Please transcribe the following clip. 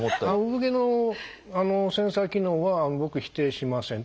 産毛のセンサー機能は僕否定しません。